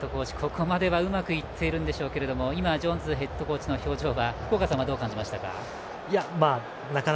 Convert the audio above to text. ここまではうまくいっているんでしょうけどもジョーンズヘッドコーチの表情福岡さんはどう感じましたか？